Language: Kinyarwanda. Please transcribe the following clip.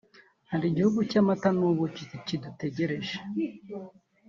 hari igihugu cy'amata n'ubuki kigutegereje